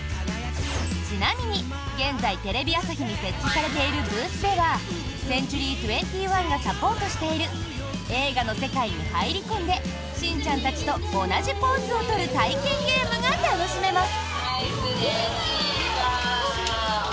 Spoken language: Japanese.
ちなみに、現在、テレビ朝日に設置されているブースではセンチュリー２１がサポートしている映画の世界に入り込んでしんちゃんたちと同じポーズを取る体験ゲームが楽しめます。